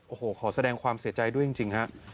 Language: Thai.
โอ้โหขอแสดงความเสียใจด้วยจริงฮะ